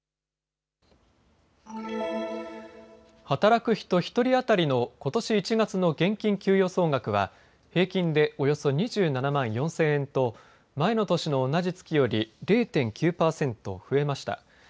働く人１人当たりのことし１月の現金給与総額は平均でおよそ２７万４０００円と前の年の同じ月より０．９％増えました。